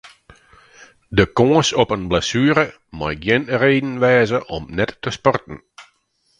De kâns op in blessuere mei gjin reden wêze om net te sporten.